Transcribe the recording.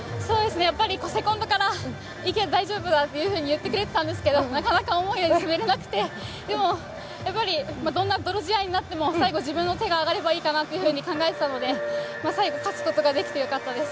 やっぱりセコンドからいけ、大丈夫だというふうに言ってくれてたんですけど、なかなか思うように出せなくて、でもやっぱり、どんな泥仕合になっても、最後、自分の手が挙がればいいかなというふうに考えていたので、最後勝つことができてよかったです。